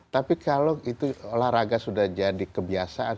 tapi kalau itu olahraga sudah jadi kebiasaan